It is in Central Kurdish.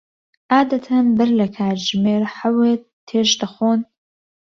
عادەتەن بەر لە کاتژمێر حەوت تێشت دەخۆن؟